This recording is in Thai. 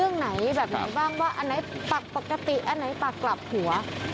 มีไนยะแบบไหนบ้างว่าปลักปกติปลักกลับหัว